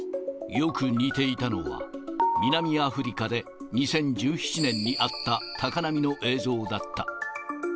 よく似ていたのは、南アフリカで２０１７年にあった高波の映像だった。